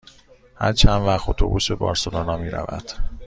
هر چند وقت اتوبوس به بارسلونا می رود؟